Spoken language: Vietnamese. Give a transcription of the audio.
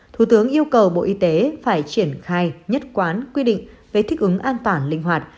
thủ tướng yêu cầu bộ y tế phải triển khai nhất quán quy định về thích ứng an toàn linh hoạt